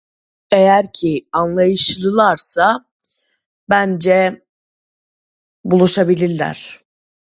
Eğer ki anlayışlılarsa bence buluşabilirler.